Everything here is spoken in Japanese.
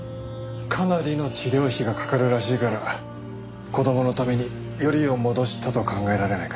かなりの治療費がかかるらしいから子供のためによりを戻したと考えられないか？